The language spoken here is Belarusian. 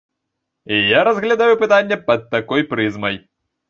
Я разглядаю пытанне пад такой прызмай.